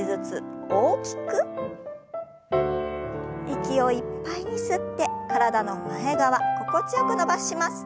息をいっぱいに吸って体の前側心地よく伸ばします。